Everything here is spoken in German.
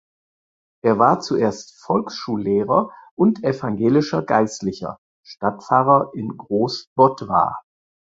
Er war zuerst Volksschullehrer und evangelischer Geistlicher (Stadtpfarrer in Großbottwar).